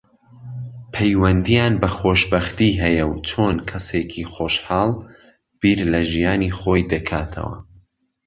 پەیوەندییان بە خۆشبەختی هەیە و چۆن کەسێكی خۆشحاڵ بیر لە ژیانی خۆی دەکاتەوە